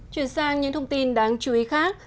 chuyển sang những thông tin đáng chú ý khác